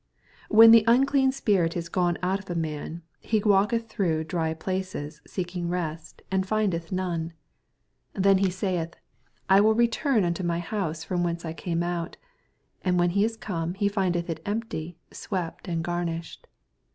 48 When the unclean spirit is gone oat of a mim, he walketh throogh dry places, seeking rest, and findeth none. 44 Then ho saith, I will return into my house from whence I came out ; and when he is come^ he findeth U empty, swept, and garnished.